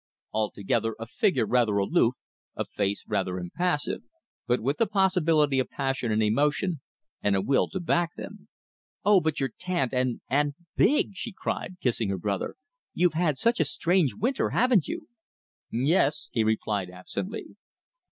Altogether a figure rather aloof, a face rather impassive; but with the possibility of passion and emotion, and a will to back them. "Oh, but you're tanned and and BIG!" she cried, kissing her brother. "You've had such a strange winter, haven't you?" "Yes," he replied absently.